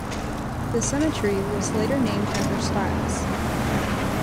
The cemetery was later named after Stiles.